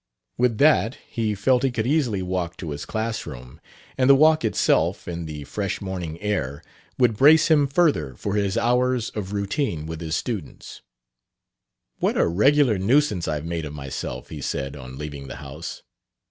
With that he felt he could easily walk to his class room; and the walk itself, in the fresh morning air, would brace him further for his hours of routine with his students. "What a regular nuisance I've made of myself!" he said, on leaving the house.